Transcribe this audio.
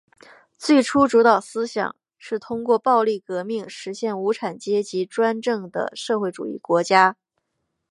最初主导思想是通过暴力革命实现无产阶级专政的社会主义国家。